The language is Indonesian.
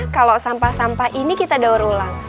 kalau sampah sampah ini kita daur ulang